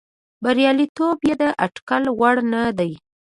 بریالیتوب یې د اټکل وړ نه دی.